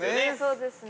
◆そうですね。